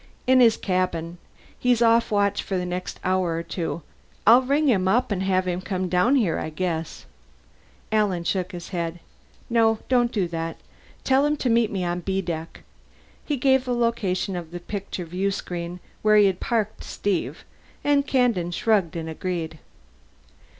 "In his cabin. He's off watch for the next hour or two. I'll ring him up and have him come down here, I guess." Alan shook his head. "No don't do that. Tell him to meet me on B Deck." He gave the location of the picture viewscreen where he had parked Steve, and Kandin shrugged and agreed.